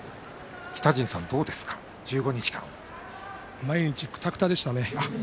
毎日くたくたでしたね。